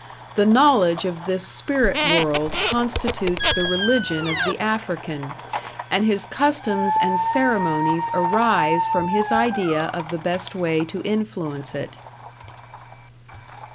The knowledge of this spirit world constitutes the religion of the African, and his customs and ceremonies arise from his idea of the best way to influence it.